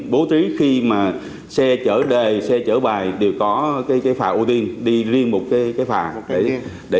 bố trí khi mà xe chở đề xe chở bài đều có cái phà ưu tiên đi riêng một cái phà để